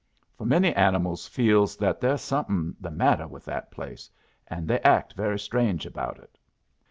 For many animals feels that there's something the matter with that place, and they act very strange about it.